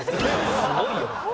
すごいよ！